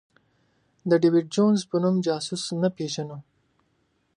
د ډېویډ جونز په نوم جاسوس نه پېژنو.